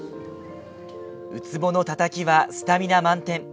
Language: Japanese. ウツボのたたきは、スタミナ満点。